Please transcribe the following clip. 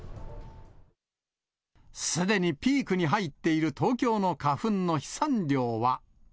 すでにピークに入っている東京の花粉の飛散量は。